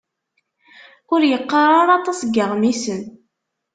Ur yeqqar ara aṭas n yeɣmisen.